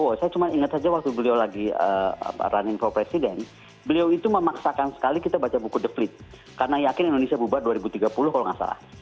oh saya cuma ingat saja waktu beliau lagi running for president beliau itu memaksakan sekali kita baca buku the flit karena yakin indonesia bubar dua ribu tiga puluh kalau nggak salah